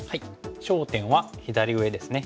焦点は左上ですね。